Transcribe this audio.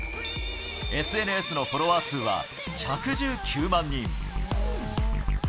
ＳＮＳのフォロワー数は１１９万人。